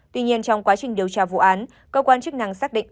tuy nhiên trong quá trình điều tra vụ án cơ quan chức năng xác định